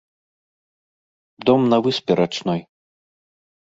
Дом на выспе рачной.